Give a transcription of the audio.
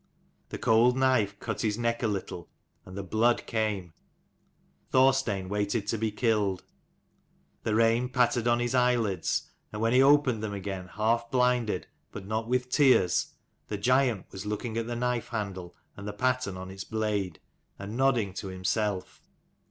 The cold knife cut his neck a little, and the blood came; Thorstein waited to be killed. The rain pattered on his eyelids, and when he opened them again half blinded, but not with tears, the giant was looking at the knife handle and the pattern on its blade: and nodding to himself.